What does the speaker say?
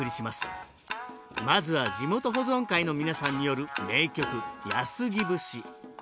まずは地元保存会の皆さんによる名曲「安来節」。